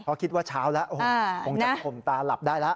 เพราะคิดว่าเช้าละโอ้โฮคงจะผมตาหลับได้ละ